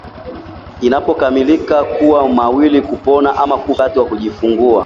inapokamilika kuna mawili, kupona ama kufa wakati wa kujifungua